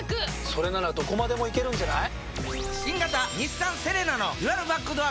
それならどこまでも行けるんじゃない？